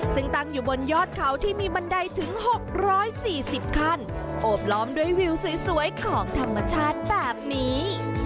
ซึ่งตั้งอยู่บนยอดเขาที่มีบันไดถึง๖๔๐ขั้นโอบล้อมด้วยวิวสวยของธรรมชาติแบบนี้